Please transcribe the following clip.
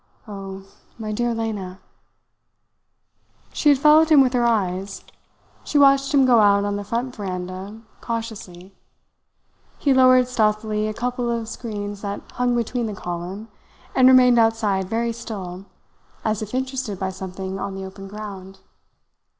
Oh, my dear Lena!" She had followed him with her eyes. She watched him go out on the front veranda cautiously. He lowered stealthily a couple of screens that hung between the column, and remained outside very still, as if interested by something on the open ground.